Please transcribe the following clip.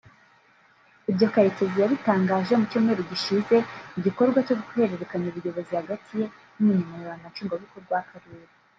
Ibyo Karekezi yabitangaje mu cyumweru gishize mu gikorwa cyo guhererekanya ubuyobozi hagati ye n’Umunyamabanga Nshingwabikorwa w’Akarere